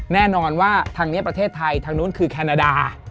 แน่นอนว่าทางนี้ประเทศไทยทางนู้นคือแคนาดา